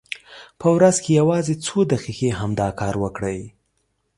په ورځ کې یوازې څو دقیقې همدا کار وکړئ.